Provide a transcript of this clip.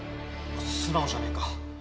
素直じゃないか。